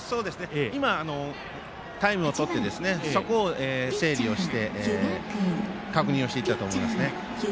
今、タイムをとってそこの整理をして確認していたと思いますね。